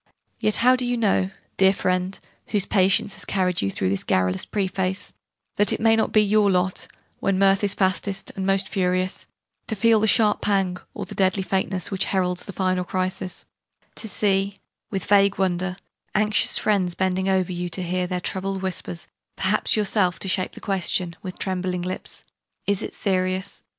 Yet how do you know dear friend, whose patience has carried you through this garrulous preface that it may not be your lot, when mirth is fastest and most furious, to feel the sharp pang, or the deadly faintness, which heralds the final crisis to see, with vague wonder, anxious friends bending over you to hear their troubled whispers perhaps yourself to shape the question, with trembling lips, "Is it serious?"